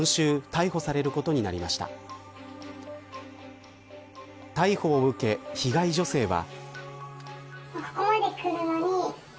逮捕を受け、被害女性は。